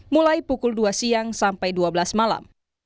mulai pukul dua siang sampai dua belas malam